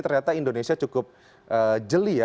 ternyata indonesia cukup jeli ya